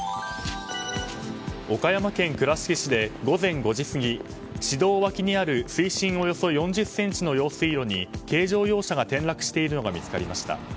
岡山県倉敷市で午前５時過ぎ市道脇にある水深およそ４０ｃｍの用水路に軽乗用車が転落しているのが見つかりました。